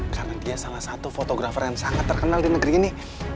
karena dia salah satu fotografer yang sangat terkenal di negeri ini